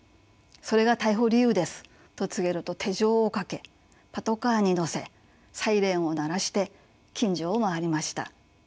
それが逮捕理由です」と告げると手錠を掛けパトカーに乗せサイレンを鳴らして近所を回りました。